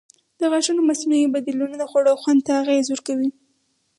د غاښونو مصنوعي بدیلونه د خوړو خوند ته اغېز کوي.